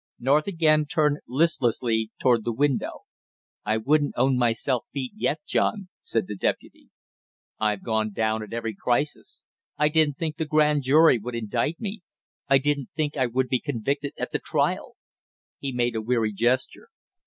North again turned listlessly toward the window. "I wouldn't own myself beat yet, John!" said the deputy. "I've gone down at every crisis! I didn't think the grand jury would indict me, I didn't think I would be convicted at the trial!" He made a weary gesture.